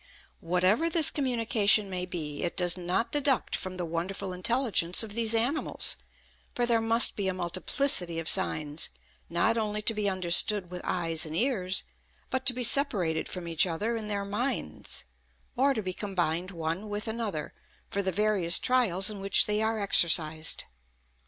Whatever this communication may be, it does not deduct from the wonderful intelligence of these animals; for there must be a multiplicity of signs, not only to be understood with eyes and ears, but to be separated from each other in their minds, or to be combined one with another, for the various trials in which they are exercised.